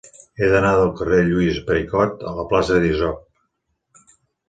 He d'anar del carrer de Lluís Pericot a la plaça d'Isop.